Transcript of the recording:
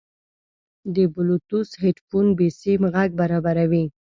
د بلوتوث هیډفون بېسیم غږ برابروي.